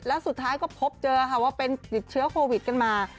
แล้วสุดท้ายก็พบเจอค่ะว่าเป็นติดเชื้อโควิดกันมา